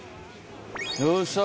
よっしゃ。